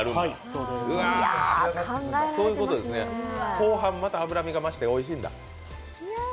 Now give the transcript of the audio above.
後半また脂身が増しておいしいんだ。